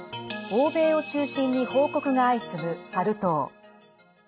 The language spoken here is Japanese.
欧米を中心に報告が相次ぐサル痘。